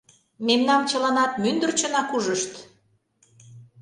Мемнам чыланат мӱндырчынак ужышт.